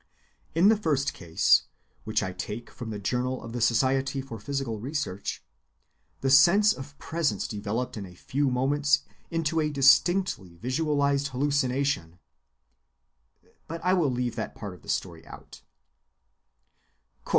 In the first case, which I take from the Journal of the Society for Psychical Research, the sense of presence developed in a few moments into a distinctly visualized hallucination,—but I leave that part of the story out.